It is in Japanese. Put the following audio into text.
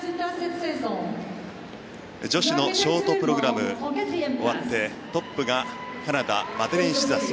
女子のショートプログラム終わってトップがカナダマデリーン・シザス。